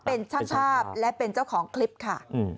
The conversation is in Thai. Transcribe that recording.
เป็นช่างภาพและเป็นเจ้าของคลิปค่ะ